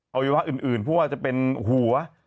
เอาไว้ว่าอื่นเพราะว่าจะเป็นหัว